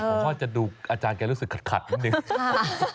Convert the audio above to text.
ผมว่าจะดูอาจารย์แกรู้สึกขัดนิดนึง